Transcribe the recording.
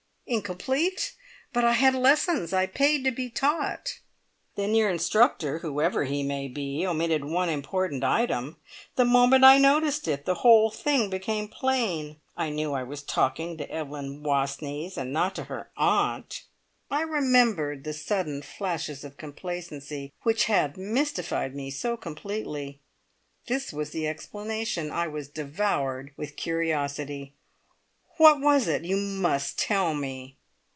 "Incomplete? But I had lessons. I paid to be taught." "Then your instructor, whoever he may be, omitted one important item. The moment I noticed it, the whole thing became plain. I knew I was talking to Evelyn Wastneys, and not to her aunt." I remembered the sudden flashes of complacency which had mystified me so completely. This was the explanation! I was devoured with curiosity. "What was it? You must tell me!"